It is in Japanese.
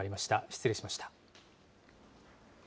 失礼しました。